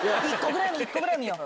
１個ぐらい見よう。